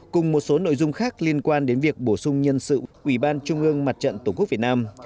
cùng một số nội dung khác liên quan đến việc bổ sung nhân sự ủy ban trung ương mặt trận tổ quốc việt nam